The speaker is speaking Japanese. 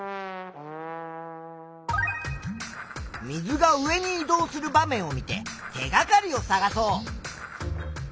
水が上に移動する場面を見て手がかりを探そう。